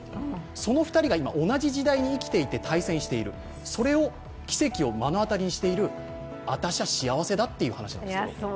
その２人が今、同じ時代に生きていて対戦している、それを奇跡を目の当たりにしている私は幸せだっていう話です。